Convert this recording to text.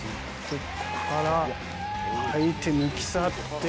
こっから相手抜き去って。